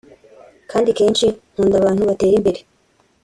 kandi kenshi nkunda abantu batera imbere